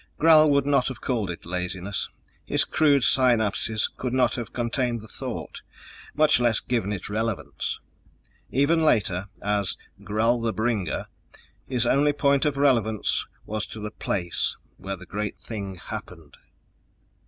Gral would not have called it laziness; his crude synapses could not have contained the thought, much less given it relevance. Even later as Gral the Bringer his only point of relevance was to the Place where the great thing happened.